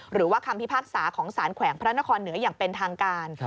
หรือว่าคำพิพากษาของสารแขวงพระนครเหนืออย่างเป็นทางการ